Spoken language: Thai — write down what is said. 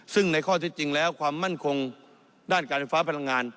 ซึ่งในข้อที่จริงแล้วความมั่นคงด้านการไฟฟ้าพลังงาน